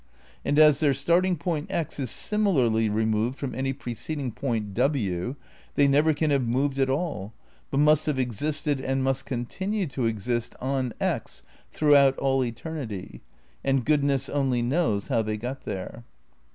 And as their starting point x is simi larly removed from any preceding point w they never can have moved at all, but must have existed and must continue to exist on x throughout all eternity, and goodness only knows how they got there.